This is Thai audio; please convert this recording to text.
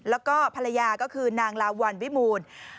แล้วก็ภรรยาก็คือนางลาวัลวิมูล